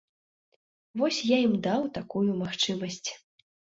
Вось я ім даў такую магчымасць.